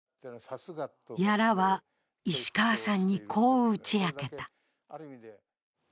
屋良は石川さんに、こう打ち明けた。